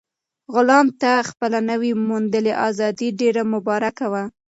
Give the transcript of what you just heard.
غلام ته خپله نوي موندلې ازادي ډېره مبارک وه.